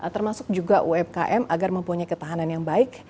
termasuk juga umkm agar mempunyai ketahanan yang baik